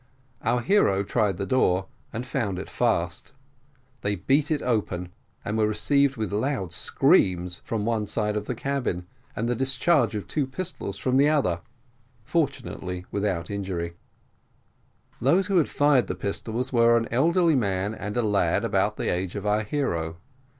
Our hero tried the door, and found it fast; they beat it open, and were received with loud screams from one side of the cabin, and the discharge of two pistols from the other, fortunately without injury: those who had fired the pistols were an elderly man and a lad about the age of our hero.